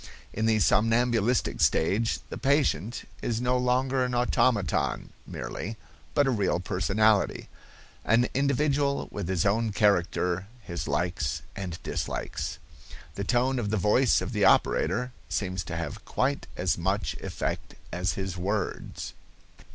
In the somnambulistic stage the patient is no longer an automaton merely, but a real personality, "an individual with his own character, his likes and dislikes." The tone of the voice of the operator seems to have quite as much effect as his words.